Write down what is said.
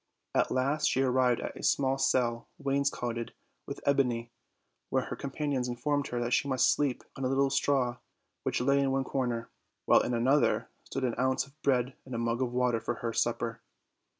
At last she arrived at a small cell wainscoted with ebony, where her companions informed her she must sleep on a little straw which lay in one corner; while in another stood an ounce of bread and a mug of water for her sup per.